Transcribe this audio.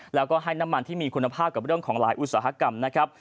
แล้วก็ให้น้ำมันที่มีคุณภาพกับเรื่องของหลายอุตสาหกรรมนะครับ